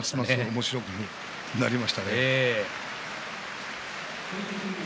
おもしろくなりましたね。